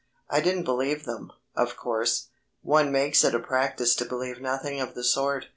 I didn't believe them, of course one makes it a practice to believe nothing of the sort.